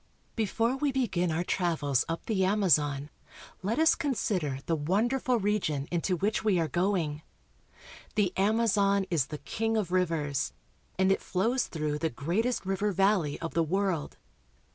BEFORE we begin our travels up the Amazon let us consider the wonderful region into which we are going. The Amazon is the king of rivers, and it flows through the greatest river valley of the world.